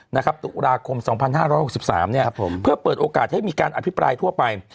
นะครับตุลาคมสองพันห้าร้อยหกสิบสามเนี่ยครับผมเพื่อเปิดโอกาสให้มีการอภิปรายทั่วไป